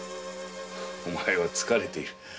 お前は疲れている。